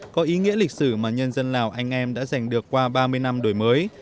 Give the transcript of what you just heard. có ý nghĩa lịch sử mà nhân dân lào anh em đã giành được qua ba mươi năm đổi mới